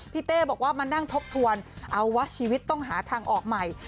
เต้บอกว่ามานั่งทบทวนเอาว่าชีวิตต้องหาทางออกใหม่